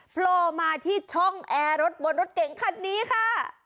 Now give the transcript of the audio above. โผล่มาที่ช่องแอร์รถบนรถเก่งคันนี้ค่ะ